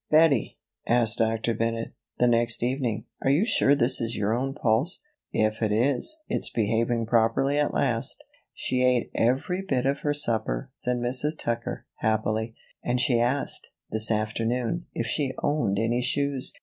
"Bettie," asked Dr. Bennett, the next evening, "are you sure this is your own pulse? If it is, it's behaving properly at last." "She ate every bit of her supper," said Mrs. Tucker, happily, "and she asked, this afternoon, if she owned any shoes.